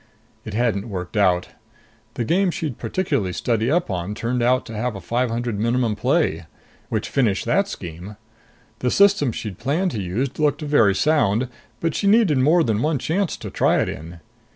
It hadn't worked out. The game she'd particularly studied up on turned out to have a five hundred minimum play. Which finished that scheme. The system she'd planned to use looked very sound, but she needed more than one chance to try it in.